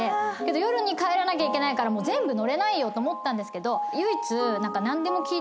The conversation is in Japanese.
夜に帰らなきゃいけないから全部乗れないと思ったんですが唯一。